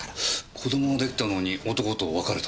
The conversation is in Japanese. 子供が出来たのに男と別れた？